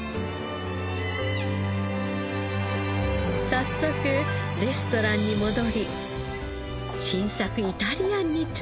早速レストランに戻り新作イタリアンに挑戦。